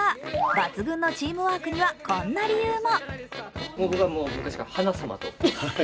抜群のチームワークにはこんな理由も。